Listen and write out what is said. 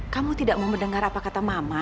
kamu tidak mau mendengar apa kata mama